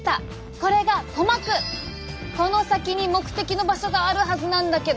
この先に目的の場所があるはずなんだけど。